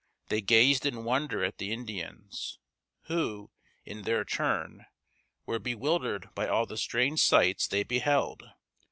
They gazed in wonder at the Indians, who, in their turn, were bewildered by all the strange sights they beheld.